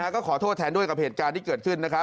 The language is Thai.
ก็ขอโทษแทนด้วยกับเหตุการณ์ที่เกิดขึ้น